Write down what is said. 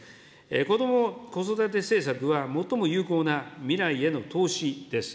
こども・子育て政策は、最も有効な未来への投資です。